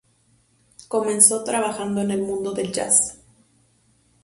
Comenzó trabajando en el mundo del jazz.